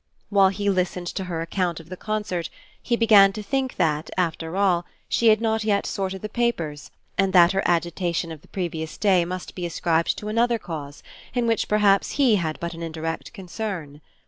While he listened to her account of the concert he began to think that, after all, she had not yet sorted the papers, and that her agitation of the previous day must be ascribed to another cause, in which perhaps he had but an indirect concern.